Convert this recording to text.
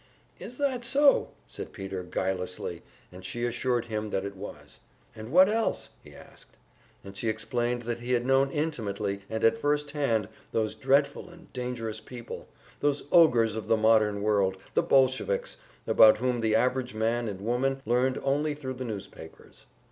"Is that so?" said Peter, guilelessly, and she assured him that it was. "And what else?" he asked, and she explained that he had known intimately and at first hand those dreadful and dangerous people, those ogres of the modern world, the Bolsheviks, about whom the average man and woman learned only thru the newspapers.